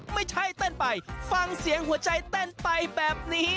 ไม่ใช่เต้นไปฟังเสียงหัวใจเต้นไปแบบนี้